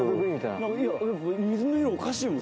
水の色おかしいもん。